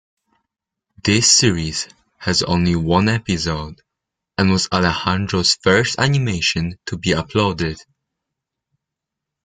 This series has only one episode, and was Alejandro's first animation to be uploaded.